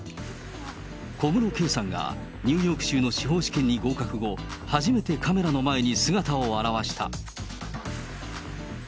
小室圭さんが、ニューヨーク州の司法試験に合格後、初めてカメラの前に姿を現した。